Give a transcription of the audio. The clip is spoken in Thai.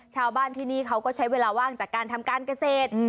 ชาวบ้านที่นี่เขาก็ใช้เวลาว่างจากการทำการเกษตร